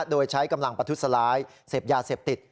โดยใช้กำลังประทุษร้ายเสพยาเสพติด